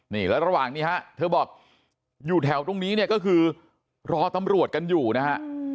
นี่แล้วระหว่างนี้ฮะเธอบอกอยู่แถวตรงนี้เนี่ยก็คือรอตำรวจกันอยู่นะฮะ